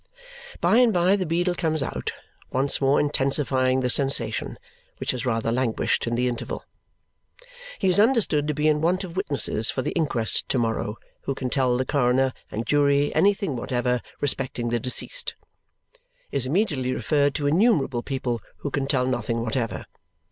By and by the beadle comes out, once more intensifying the sensation, which has rather languished in the interval. He is understood to be in want of witnesses for the inquest to morrow who can tell the coroner and jury anything whatever respecting the deceased. Is immediately referred to innumerable people who can tell nothing whatever.